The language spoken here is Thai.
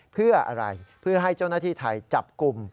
เพื่ออะไรเพื่อให้เจ้าหน้าที่ไทยจับกลุ่ม